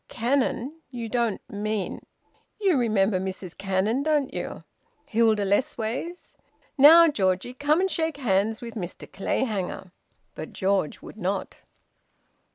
"Cannon? You don't mean " "You remember Mrs Cannon, don't you? Hilda Lessways? Now, Georgie, come and shake hands with Mr Clayhanger." But George would not.